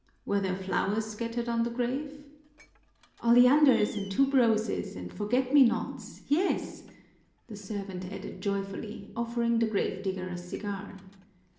"Were there flowers scattered on the grave?" "Oleanders and tuberoses and forget me nots, yes!" the servant added joyfully, offering the grave digger a cigar.